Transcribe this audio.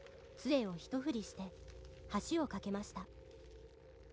「杖を一振りして橋を架けました」